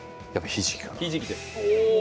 ひじきです。